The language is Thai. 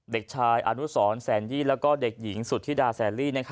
เด็กชายอนุสรแสนยี่แล้วก็เด็กหญิงสุธิดาแสนลี่